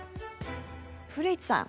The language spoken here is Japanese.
古市さん